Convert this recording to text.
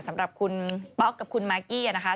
สำหรับคุณป๊อกกับคุณมากกี้นะคะ